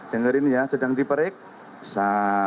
dengerin ya sedang diperiksa